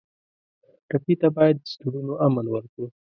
ټپي ته باید د زړونو امن ورکړو.